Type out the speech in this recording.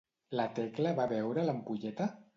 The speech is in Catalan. La Tecla va veure l'ampolleta?